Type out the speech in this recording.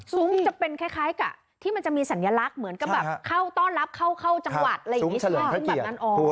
ซุ้มจะเป็นคล้ายกับที่มันจะมีสัญลักษณ์เหมือนกับเข้าต้อนรับเข้าเข้าจังหวัด